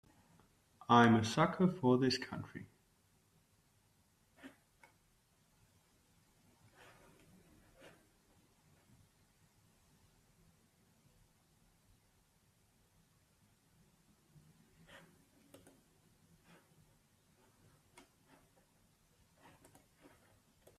I'm a sucker for this country.